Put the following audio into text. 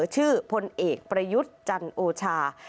ชื่อพลเอกปรยุสต์จันทร์โอชา